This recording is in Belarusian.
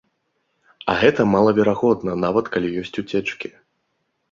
А гэта малаверагодна, нават калі ёсць уцечкі.